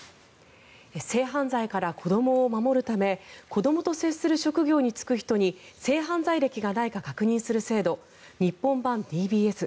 性犯罪から子どもを守るため子どもと接する職業に就く人に性犯罪歴がないか確認する制度日本版ＤＢＳ。